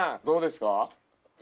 どうですか？